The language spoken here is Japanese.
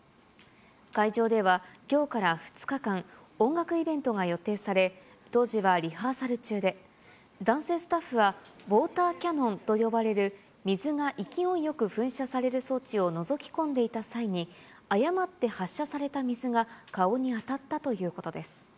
会場では、きょうから２日間、音楽イベントが予定され、当時はリハーサル中で、男性スタッフは、ウォーターキャノンと呼ばれる水が勢いよく噴射される装置をのぞき込んでいた際に、誤って発射された水が、顔に当たったということです。